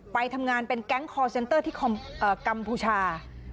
ไปทำงานเป็นแก๊งคอร์เซนเตอร์ที่กัมพูชา